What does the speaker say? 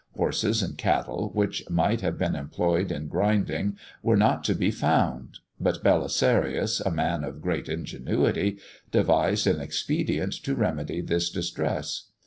Horses and cattle, which might have been employed in grinding, were not to be found; but Belisarius, a man of great ingenuity, devised an expedient to remedy this distress.